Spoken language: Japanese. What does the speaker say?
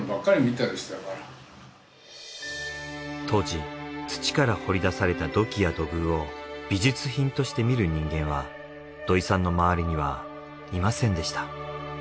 当時土から掘り出された土器や土偶を美術品として見る人間は土肥さんの周りにはいませんでした。